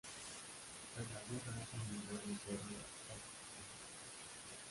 Tras la guerra emigró al imperio austríaco